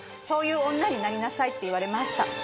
そういう女になりなさい」って言われました。